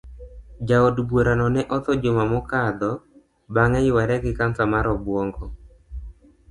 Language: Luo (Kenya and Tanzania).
Jaod burano ne otho juma mokadho bang yuare gi cancer mar obuongo.